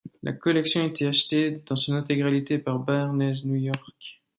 La collection a été achetée dans son intégralité par Barneys New York.